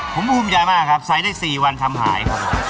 ผมภูมิใจมากครับใส่ได้๔วันทำหาย